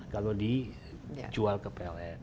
kalau di jual ke pln